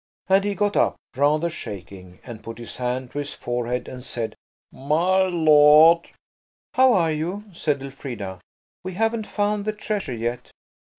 And he got up, rather shaking, and put his hand to his forehead, and said– "My lord–" "How are you?" said Elfrida. "We haven't found the treasure yet."